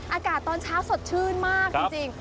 อากาศตอนเช้าสดชื่นมากจริง